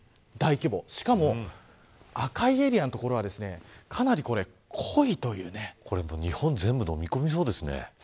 大規模、しかも赤いエリアの所は日本全部のみ込みそうですね。